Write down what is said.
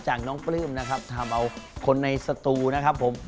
น้องปลื้มนะครับทำเอาคนในสตูนะครับผม